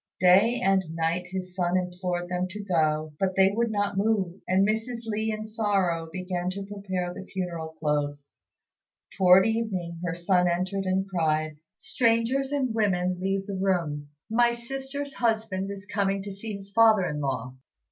Day and night his son implored them to go, but they would not move; and Mrs. Li in sorrow began to prepare the funeral clothes. Towards evening her son entered and cried out, "Strangers and women, leave the room! My sister's husband is coming to see his father in law."